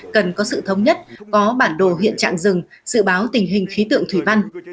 cần có sự thống nhất có bản đồ hiện trạng rừng dự báo tình hình khí tượng thủy văn